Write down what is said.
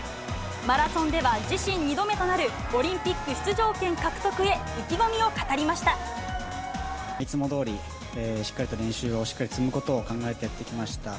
マラソンでは自身２度目となるオリンピック出場権獲得へ、意気込いつもどおり、しっかりと練習を、しっかり積むことを考えてやってきました。